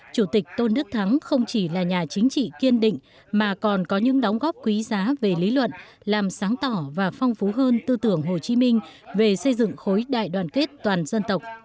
chủ tịch tôn đức thắng không chỉ là nhà chính trị kiên định mà còn có những đóng góp quý giá về lý luận làm sáng tỏ và phong phú hơn tư tưởng hồ chí minh về xây dựng khối đại đoàn kết toàn dân tộc